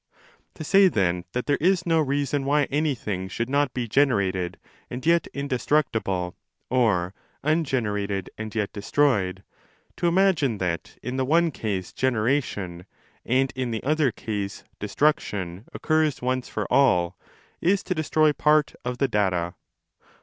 To say then that there is no reason why anything should not be generated and yet indestructible or 5 ungenerated and yet destroyed, to imagine that in the one case generation and in the other case destruction occurs once for all, is to destroy part of the data.